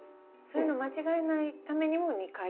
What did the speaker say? そういうのを間違えないためにも２回？